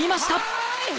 はい！